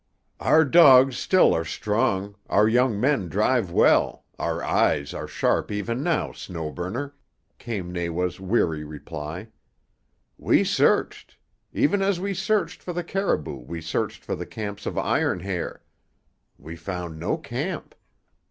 "Our dogs still are strong, our young men drive well, our eyes are sharp even now, Snow Burner," came Nawa's weary reply. "We searched. Even as we searched for the caribou we searched for the camp of Iron Hair. We found no camp.